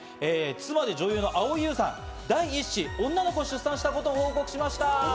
妻で女優の蒼井優さんが第１子、女の子を出産したことを報告しました。